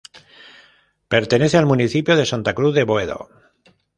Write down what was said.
Pertenece al municipio de Santa Cruz de Boedo.